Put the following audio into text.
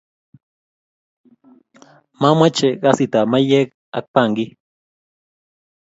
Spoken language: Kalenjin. mamche kasit ab maiyek ak bangi